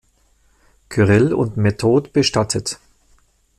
Kyrill und Method bestattet.